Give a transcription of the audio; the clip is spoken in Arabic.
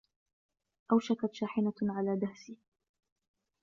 أوشكتْ شاحنة على دهسي.